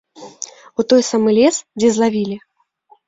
У той самы лес, дзе злавілі.